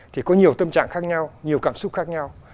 thì có nhiều tâm trạng khác nhau nhiều cảm xúc khác nhau